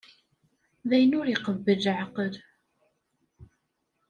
D ayen ur iqebbel leɛqel.